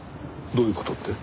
どういう事って？